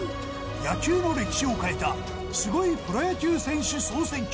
野球の歴史を変えたすごいプロ野球選手総選挙